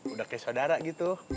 udah kaya saudara gitu